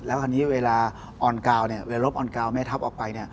แล้วอันนี้เวลารอบออนกราลและแม่ทับออกไป